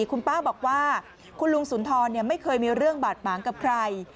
คุณป้าบอกว่าคุณลุงสุนทรไม่เคยมีเรื่องบาดหมางกับใคร